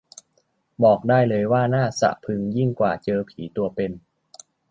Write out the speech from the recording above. บอกได้เลยว่าน่าสะพรึงยิ่งกว่าเจอผีตัวเป็น